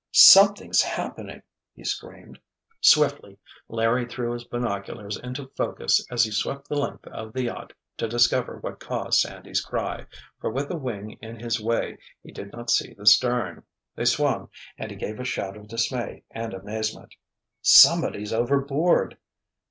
"Something's happening!" he screamed. Swiftly Larry threw his binoculars into focus as he swept the length of the yacht to discover what caused Sandy's cry, for with a wing in his way he did not see the stern. They swung and he gave a shout of dismay and amazement. "Somebody's overboard!"